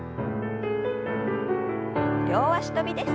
両脚跳びです。